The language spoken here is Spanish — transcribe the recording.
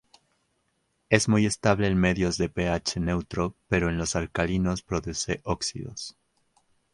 Es muy estable en medios de pH neutro pero en los alcalinos produce óxidos.